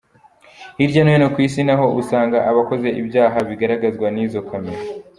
Hirya no hino ku Isi, naho usanga abakoze ibyaha bagaragazwa n’izo Camera.